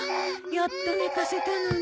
やっと寝かせたのに。